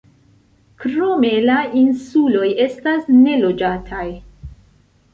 Krome la insuloj estas neloĝataj.